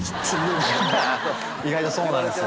意外とそうなんですよ。